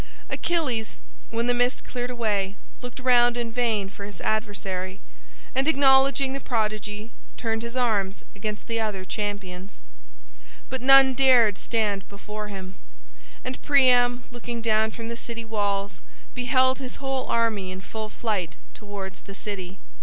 Achilles, when the mist cleared away, looked round in vain for his adversary, and acknowledging the prodigy, turned his arms against other champions. But none dared stand before him, and Priam looking down from the city walls beheld his whole army in full flight towards the city.